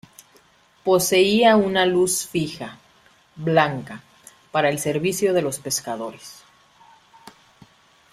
Poseía una luz fija, blanca, para el servicio de los pescadores.